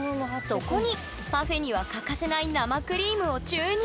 そこにパフェには欠かせない生クリームを注入！